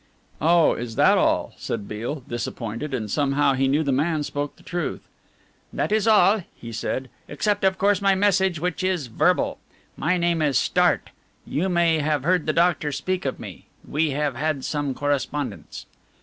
"Oh, is that all?" said Beale, disappointed, and somehow he knew the man spoke the truth. "That is all," he said, "except of course my message, which is verbal. My name is Stardt, you may have heard the doctor speak of me. We have had some correspondence."